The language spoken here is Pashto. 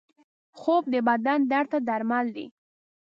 خوب د بدن درد ته درمل دی